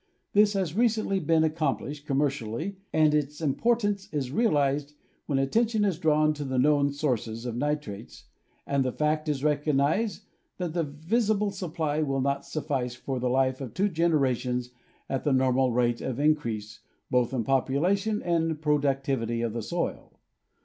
This has recently been accom plished commercially, and its importance is realized when attention is drawn to the known sources of nitrates, and the fact is recognized that the visible supply will not suffice for the life of two generations at the normal rate of in crease both in population and productivity of the soil.